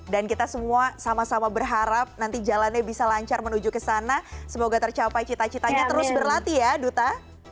dan kita semua sama sama berharap nanti jalannya bisa lancar menuju ke sana semoga tercapai cita citanya terus berlatih ya duta